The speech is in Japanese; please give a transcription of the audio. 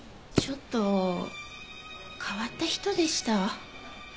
ちょっと変わった人でした。